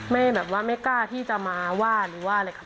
แบบว่าไม่กล้าที่จะมาว่าหรือว่าอะไรครับ